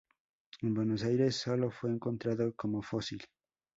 En Buenos Aires sólo fue encontrado como fósil.